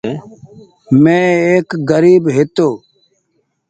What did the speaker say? مين ايڪ گريب هيتو ۔